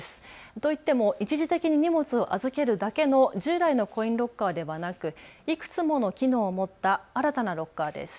といっても一時的に荷物を預けるだけの従来のコインロッカーではなくいくつもの機能を持った新たなロッカーです。